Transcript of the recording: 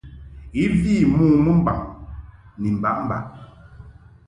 I vi mɨ mo mɨmbaŋ ni mbaʼmbaʼ.